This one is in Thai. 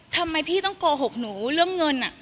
ทำไมพี่ต้องโกหกหนูเรื่องเงิน